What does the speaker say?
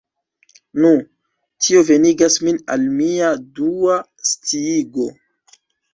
Nu, tio venigas min al mia dua sciigo.